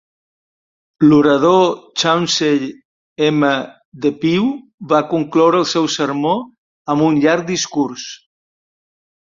L'orador Chauncey M. Depew va concloure el seu sermó amb un llarg discurs.